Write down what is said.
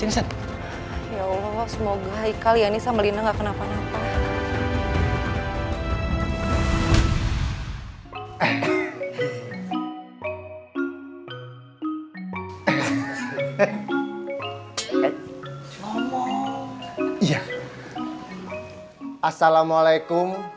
ini contact ya allah semoga hai kaliani sama lina nggak kenapa napa eh mau ya assalamualaikum